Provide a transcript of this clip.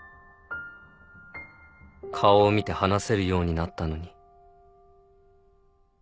顔を見て話せるようになったのに